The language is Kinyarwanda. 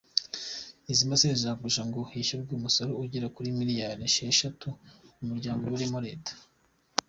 Izi mashini zagurishijwe ngo hishyurwe umusoro ugera kuri miliyari esheshatu uyu muryango ubereyemo leta.